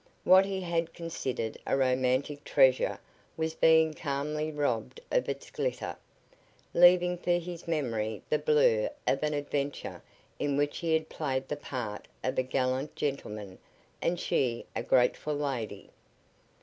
What he had considered a romantic treasure was being calmly robbed of its glitter, leaving for his memory the blurr of an adventure in which he had played the part of a gallant gentleman and she a grateful lady.